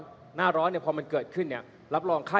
คุณเขตรัฐพยายามจะบอกว่าโอ้เลิกพูดเถอะประชาธิปไตย